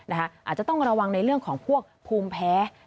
อาจจะต้องระวังในเรื่องของพวกภูมิแพ้